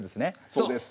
そうです。